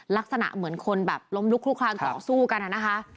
ลักษณะเหมือนคนแบบล้มลุกลุกคลานต่อสู้กันนะคะ